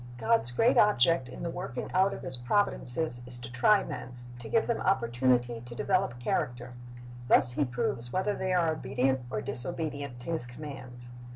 "* God's great object in the working out of His providences is to try men, to give them opportunity to develop character. Thus He proves whether they are obedient or disobedient to His commands.